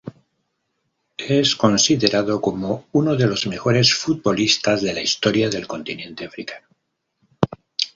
Es considerado como uno de los mejores futbolistas de la historia del continente Africano.